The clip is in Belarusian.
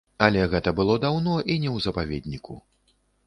Але гэта было даўно і не ў запаведніку.